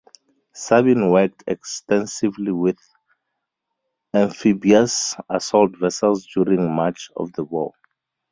Sabin worked extensively with amphibious assault vessels during much of the war.